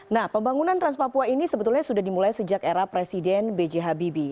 nah pembangunan trans papua ini sebetulnya sudah dimulai sejak era presiden b j habibie